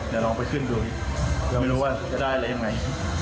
เดี๋ยวลองไปขึ้นดูดิเราไม่รู้ว่าจะได้อะไรยังไง